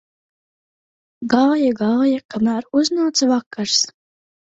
Gāja, gāja, kamēr uznāca vakars.